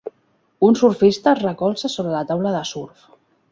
Un surfista es recolza sobre la taula de surf.